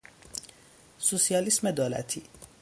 سوسیالیسم دولتی